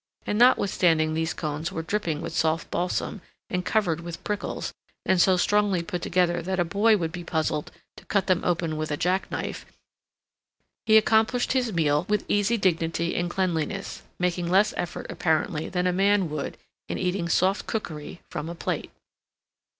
And notwithstanding these cones were dripping with soft balsam, and covered with prickles, and so strongly put together that a boy would be puzzled to cut them open with a jack knife, he accomplished his meal with easy dignity and cleanliness, making less effort apparently than a man would in eating soft cookery from a plate.